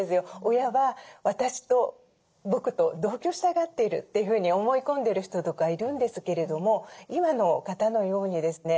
親は私と僕と同居したがってるというふうに思い込んでる人とかいるんですけれども今の方のようにですね